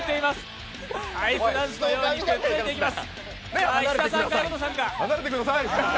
アイスダンスのようにくっついていきます。